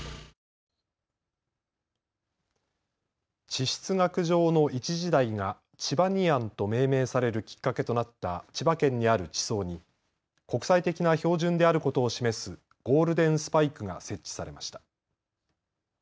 地質学上の一時代がチバニアンと命名されるきっかけとなった千葉県にある地層に国際的な標準であることを示すゴールデンスパイクが設置されました。